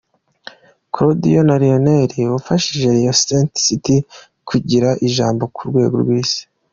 Claudio Ranieri wafashije Leicester City kugira ijambo ku rwego rw’isi